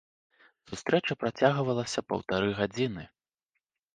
Сустрэча працягвалася паўтары гадзіны.